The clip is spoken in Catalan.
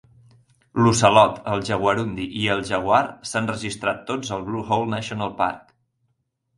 L'ocelot, el jaguarundi i el jaguar s'han registrat tots al Blue Hole National Park.